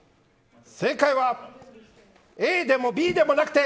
正解はＡでもＢでもなくてＣ！